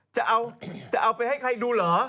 จะเอาไปให้ใครดูเหรอ